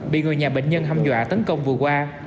bị người nhà bệnh nhân hâm dọa tấn công vừa qua